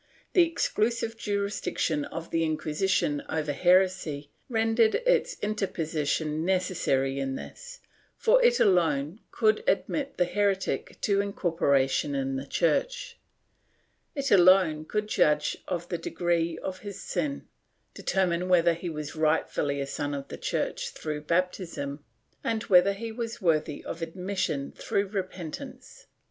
^ The exclusive jurisdiction of the Inquisition over heresy rendered its inter position necessary in this, for it alone could admit the heretic to incorporation in the Church, it alone could judge of the degree of his sin, determine whether he was rightfully a son of the Church through baptism, and whether he was worthy of admission through repentance.